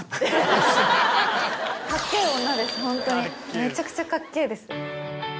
ホントにめちゃくちゃかっけぇです。